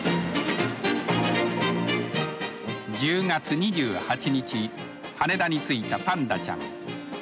１０月２８日羽田に着いたパンダちゃん。